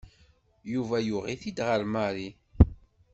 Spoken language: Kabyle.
Yuba yuɣ-it-id ɣer Mary.